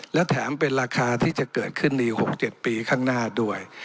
และแถมเป็นราคาที่จะเกิดขึ้นใน๖๗ปีข้างหน้าด้วย